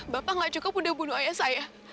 bapak tidak cukup untuk bunuh ayah saya